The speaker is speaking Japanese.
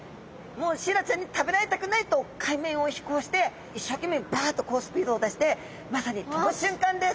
シイラちゃんに食べられたくないと海面を飛行して一生懸命バッとスピードを出してまさに飛ぶ瞬間です！